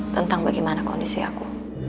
tentang bagaimana kondisi aku